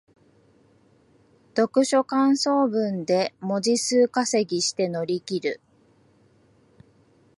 読書感想文で文字数稼ぎして乗り切る